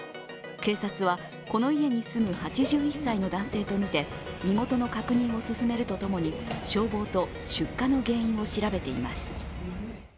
警察は、この家に住む８１歳の男性とみて身元の確認を進めるとともに消防と出火の原因を調べています。